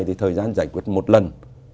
thì thời gian giải quyết một lần